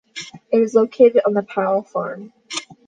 It is located on the Powell Farm.